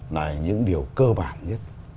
là những điều cơ bản nhất